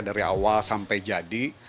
dari awal sampai jadi